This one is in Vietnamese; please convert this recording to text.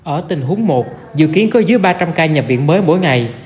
ở tình huống một dự kiến có dưới ba trăm linh ca nhập viện mới mỗi ngày